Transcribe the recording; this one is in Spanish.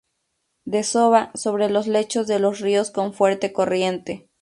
Desova sobre los lechos de los ríos con fuerte corriente.